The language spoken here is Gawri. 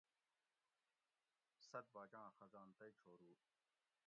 ست باچاں خزان تئ چھورو